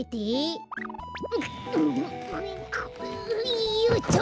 いよっと！